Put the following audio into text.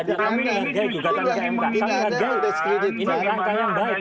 tidak ada yang nggak